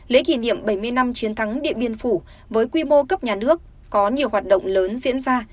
lễ kỷ niệm bảy mươi năm chiến thắng điện biên phủ với quy mô cấp nhà nước có nhiều hoạt động lớn diễn ra